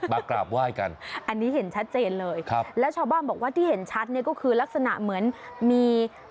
กราบไหว้กันอันนี้เห็นชัดเจนเลยครับแล้วชาวบ้านบอกว่าที่เห็นชัดเนี่ยก็คือลักษณะเหมือนมี